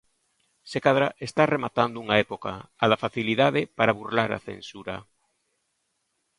Se cadra está rematando unha época, a da facilidade para burlar a censura.